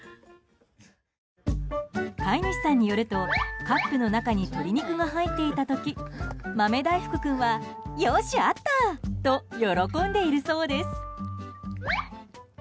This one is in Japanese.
飼い主さんによるとカップの中に鶏肉が入っていた時豆大福君は、よし、あった！と喜んでいるそうです。